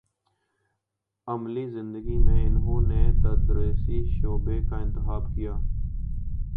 عملی زندگی میں انہوں نے تدریسی شعبے کا انتخاب کیا